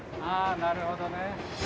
ああなるほどね。